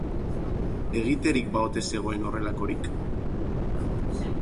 Egiterik ba ote zegoen horrelakorik?